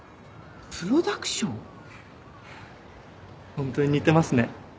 ホントに似てますね。